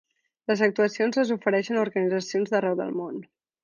Les actuacions les ofereixen organitzacions d'arreu del món.